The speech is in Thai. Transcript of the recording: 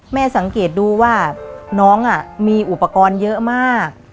สังเกตดูว่าน้องมีอุปกรณ์เยอะมาก